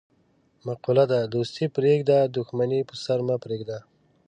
مقوله ده: دوستي پرېږده، دښمني په سر مه پرېږده.